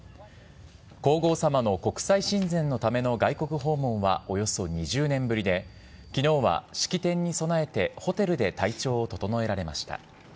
皇后さまの国際親善のための外国訪問はおよそ２０年ぶりで、きのうは式典に備えてホテルで体調を整えられました。